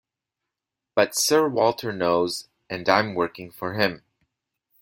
But Sir Walter knows, and I’m working for him.